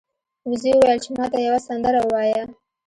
وزې وویل چې ما ته یوه سندره ووایه.